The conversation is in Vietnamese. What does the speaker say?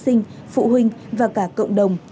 thí sinh phụ huynh và cả cộng đồng